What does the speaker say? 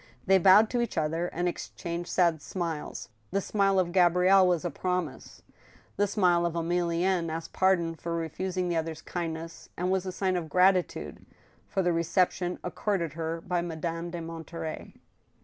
They bowed to each other, and exchanged sad smiles. The smile of Gabrielle was a promise, the smile of Emilienne asked par don for refusing the other's kindness, and was a sign of gratitude for the reception accorded her by Madame de Monterey.